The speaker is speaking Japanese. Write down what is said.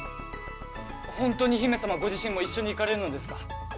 本当に姫様ご自身も一緒に行かれるのですか？